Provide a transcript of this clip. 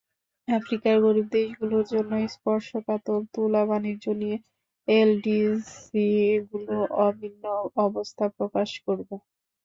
আফ্রিকার গরিব দেশগুলোর জন্য স্পর্শকাতর তুলাবাণিজ্য নিয়েও এলডিসিগুলো অভিন্ন অবস্থা প্রকাশ করবে।